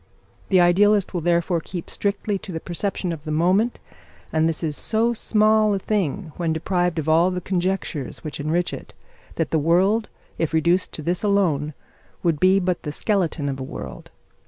The idealist will therefore keep strictly to the perception of the moment, and this is so small a thing when deprived of all the conjectures which enrich it, that the world, if reduced to this alone, would be but the skeleton of a world.